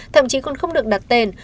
thậm chí còn không được đặt tên